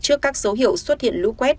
trước các dấu hiệu xuất hiện lũ quét